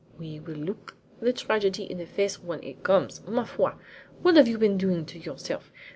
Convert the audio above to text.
"We will look the tragedy in the face when it comes. Ma foi! What have you been doing to yourself?